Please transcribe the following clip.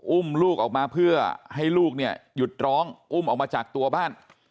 อุ้มลูกออกมาเพื่อให้ลูกเนี่ยหยุดร้องอุ้มออกมาจากตัวบ้าน